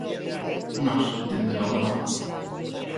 Nós, dende logo, non.